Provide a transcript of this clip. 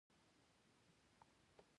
افغانستان د آمو سیند له امله ډېر شهرت لري.